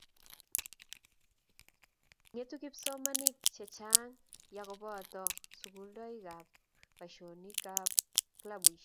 ng'etu kipsomaninik che chang' ya kobata sukuldo akobo boisionikab kalbusiek